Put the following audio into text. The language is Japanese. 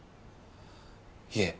いえ。